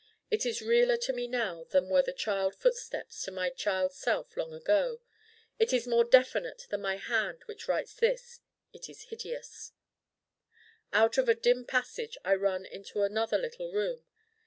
It is realer to me now than were my child footsteps to my child self long ago: it is more definite than my hand which writes this: it is hideous Out of a dim passage I run into another little Room.